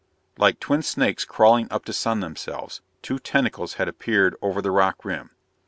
Like twin snakes crawling up to sun themselves, two tentacles had appeared over the rock rim.